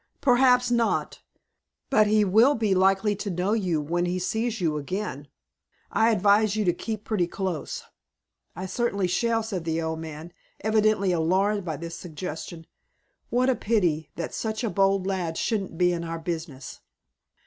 "Perhaps not, but he will be likely to know you when he sees you again. I advise you to keep pretty close." "I certainly shall," said the old man, evidently alarmed by this suggestion. "What a pity that such a bold lad shouldn't be in our business!"